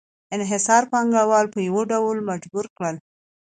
انحصار پانګوال په یو ډول مجبور کړل